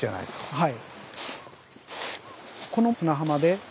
はい。